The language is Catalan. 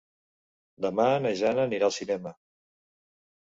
Demà na Jana anirà al cinema.